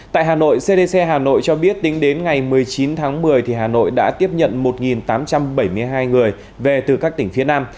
tại hà nội cdc hà nội cho biết tính đến ngày một mươi chín tháng một mươi hà nội đã tiếp nhận một tám trăm bảy mươi hai người về từ các tỉnh phía nam